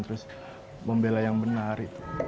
terus membela yang benar